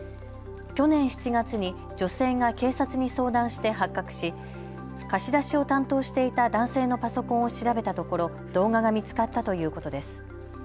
去年７月に女性が警察に相談して発覚し貸し出しを担当していた男性のパソコンを調べたところ動画が見つかったということです。